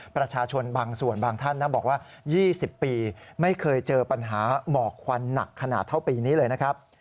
ประชาชนบางส่วนบางท่านบอกว่า๒๐ปีไม่เคยเจอปัญหาหมอกควันหนักขนาดเท่าปีนี้เลยนะครับ